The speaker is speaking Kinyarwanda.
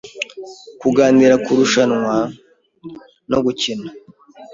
kuganira kurushanwa no gukina